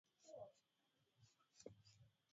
katika vita viwili vya mwanzoni wa karne ya ishirini